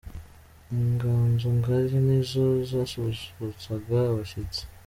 Inganzo ngari ni zo zasusurutsaga abashyitsi.